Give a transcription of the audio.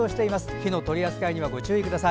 火の取り扱いにはご注意ください。